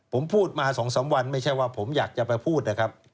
ผมพูดมา๒๓วันไม่ใช่ว่าผมอยากจะไปพูดนะครับ